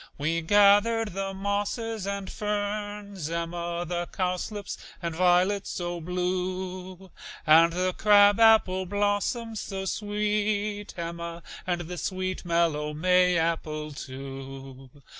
We gathered the mosses and ferns, Emma, The cowslips and violets so blue, And the crab apple blossoms so sweet, Emma, And the sweet, mellow May apple, too.